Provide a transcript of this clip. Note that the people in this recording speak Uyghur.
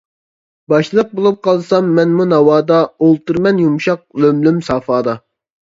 باشلىق بولۇپ قالسام مەنمۇ ناۋادا، ئولتۇرىمەن يۇمشاق لۆم-لۆم سافادا.